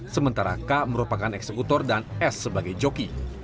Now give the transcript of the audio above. sementara k merupakan eksekutor dan s sebagai joki